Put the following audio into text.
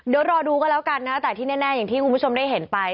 เดี๋ยวรอดูกันแล้วกันนะแต่ที่แน่อย่างที่คุณผู้ชมได้เห็นไป